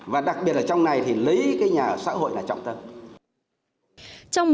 và đặc biệt là trong này thì lấy cái nhà ở xã hội là trọng tâm